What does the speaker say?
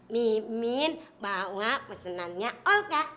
mimin bawa pesenannya olga